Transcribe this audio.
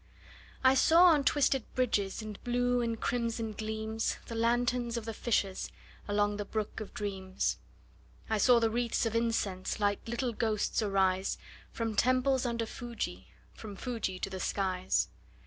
I saw, on twisted bridges, In blue and crimson gleams, The lanterns of the fishers, Along the brook of dreams. I saw the wreathes of incense Like little ghosts arise, From temples under Fuji, From Fuji to the skies.